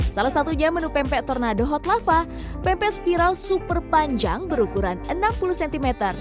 salah satu aja menu pempek tornado hot lava pempek spiral super panjang berukuran enam puluh cm